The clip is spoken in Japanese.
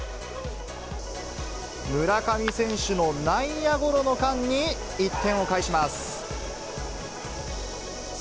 村上選手の内野ゴロの間に、１点を返します。